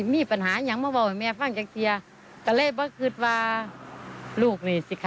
มีปัญหายังแม่ก็เอาเคยบอกลูก